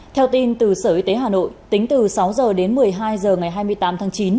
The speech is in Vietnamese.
theo tin từ sở y tế hà nội tính từ sáu h đến một mươi hai h ngày hai mươi tám tháng chín